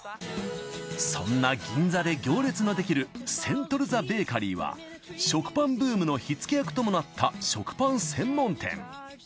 そんな銀座で行列のできるセントルザ・ベーカリーは食パンブームの火付け役ともなった食パン専門店。